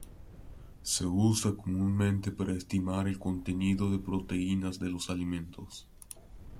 Se usa comúnmente para estimar el contenido de proteínas de los alimentos.